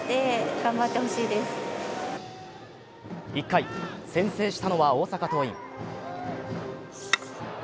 １回、先制したのは大阪桐蔭。